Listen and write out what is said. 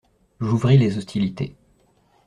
J’ouvris les hostilités.